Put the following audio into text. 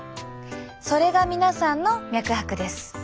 それが皆さんの脈拍です。